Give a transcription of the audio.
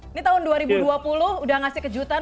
ini tahun dua ribu dua puluh udah ngasih kejutan